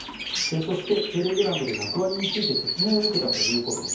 そしてテレグラムで役割について説明を受けたということです。